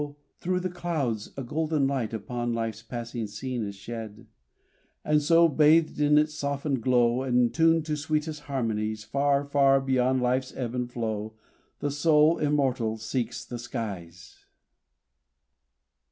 through the clouds a golden light Upon Life's passing scene is shed. And so, bathed in its softened glow, And tuned to sweetest harmonies Far, far beyond Life's ebb and flow The soul, immortal, seeks the skies!